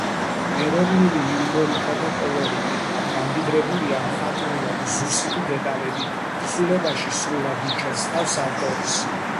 ეროვნული იუმორითა და კოლორიტით, გამდიდრებულია მხატვრულად ზუსტი დეტალებით. თხზულებაში სრულად იჩენს თავს ავტორის